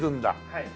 はい。